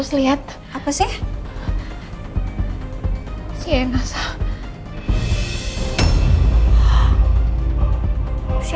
inskiiyorum bapak ini tak ada langsung